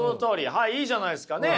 はいいいじゃないですかね。